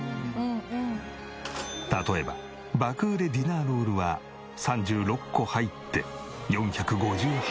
例えば爆売れディナーロールは３６個入って４５８円。